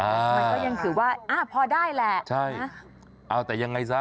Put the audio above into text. มันก็ยังถือว่าอ่าพอได้แหละใช่เอาแต่ยังไงซะ